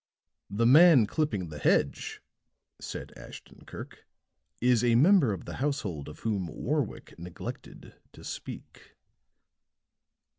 "The man clipping the hedge," said Ashton Kirk, "is a member of the household of whom Warwick neglected to speak."